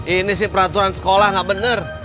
ini sih peraturan sekolah nggak benar